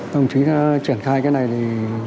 đồng chí triển khai cái này thì